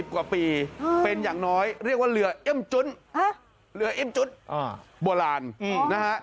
กว่าปีเป็นอย่างน้อยเรียกว่าเรือเอ็มจุ้นเรือเอ็มจุ๊ดโบราณนะฮะ